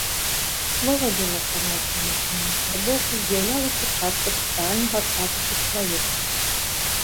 Слова мела станоўчую эмацыйную афарбоўку і з'яўлялася часткай сацыяльнага статусу чалавека.